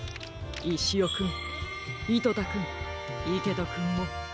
いしおくんいとたくんいけとくんも。